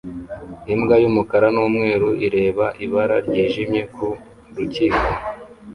Imbwa y'umukara n'umweru ireba ibara ryijimye ku rukiko